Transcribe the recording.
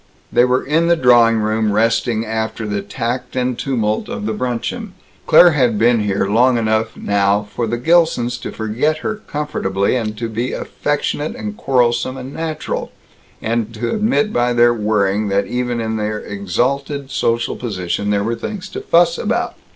They were in the drawing room, resting after the tact and tumult of the bruncheon. Claire had been here long enough now for the Gilsons to forget her comfortably, and be affectionate and quarrelsome and natural, and to admit by their worrying that even in their exalted social position there were things to fuss about.